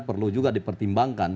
perlu juga dipertimbangkan